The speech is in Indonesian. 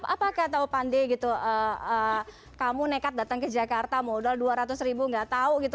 apa kata opande gitu kamu nekat datang ke jakarta modal dua ratus ribu gak tau gitu